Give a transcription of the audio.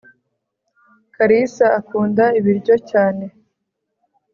karisa akunda ibiryo cyane